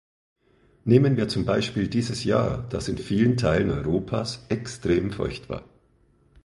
Nehmen wir zum Beispiel dieses Jahr, das in vielen Teilen Europas extrem feucht war.